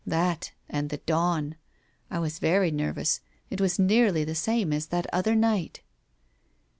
That and the dawn f I was very nervous. It was nearly the same as that other night.